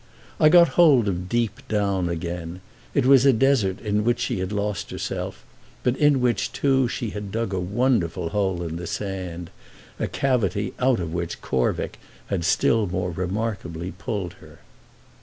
I got hold of "Deep Down" again: it was a desert in which she had lost herself, but in which too she had dug a wonderful hole in the sand—a cavity out of which Corvick had still more remarkably pulled her.